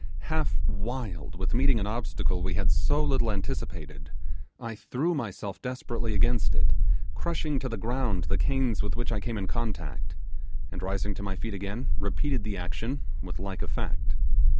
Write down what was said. Half wild with meeting an obstacle we had so little anticipated, I threw myself desperately against it, crushing to the ground the canes with which I came in contact, and, rising to my feet again, repeated the action with like effect.